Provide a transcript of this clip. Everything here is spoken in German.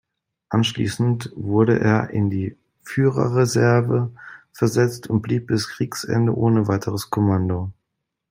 Anschließend wurde er in die Führerreserve versetzt und blieb bis Kriegsende ohne weiteres Kommando.